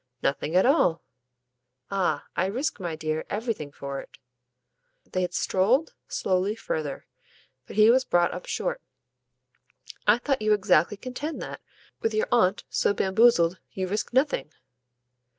"Nothing at all." "Ah I risk, my dear, everything for it." They had strolled slowly further, but he was brought up short. "I thought you exactly contend that, with your aunt so bamboozled, you risk nothing!"